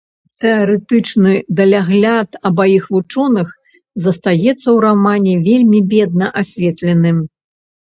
Тэарэтычны далягляд абаіх вучоных застаецца ў рамане вельмі бедна асветленым.